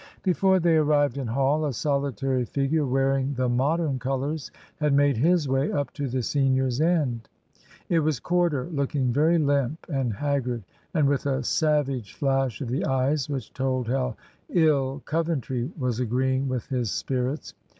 Before they arrived in Hall, a solitary figure wearing the Modern colours had made his way up to the seniors' end. It was Corder, looking very limp and haggard, and with a savage flash of the eyes which told how ill "Coventry" was agreeing with his spirits.